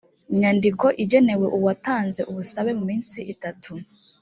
nyandiko igenewe uwatanze ubusabe mu minsi itatu